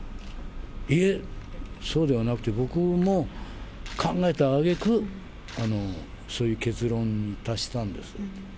いえ、そうではなくて、僕も考えたあげく、そういう結論に達したんですと。